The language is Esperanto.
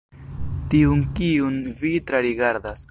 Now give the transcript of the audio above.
Tiun kiun vi trarigardas.